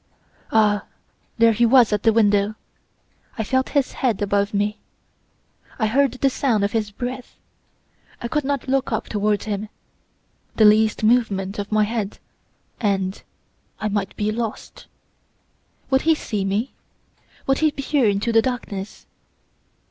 Ah, there he was at the window! I felt his head above me. I heard the sound of his breath! I could not look up towards him; the least movement of my head, and I might be lost. Would he see me? Would he peer into the darkness?